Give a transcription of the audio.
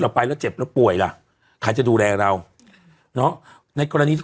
ไปแล้วเจ็บแล้วป่วยล่ะใครจะดูแลเราเนอะในกรณีที่